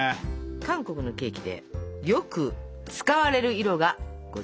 韓国のケーキでよく使われる色がございます。